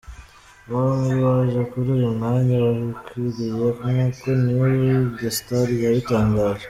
Bombi baje kuri uyu mwanya babikwiriye nkuko news de star yabitangaje.